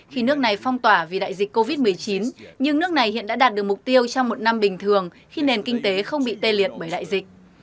khi nước này phong tỏa vì đại dịch covid một mươi chín nhưng nước này hiện đã đạt được mục tiêu trong một năm bình thường khi nền kinh tế không bị tê liệt bởi đại dịch